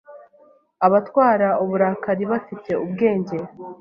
Abatwara uburakari bafite ubwenge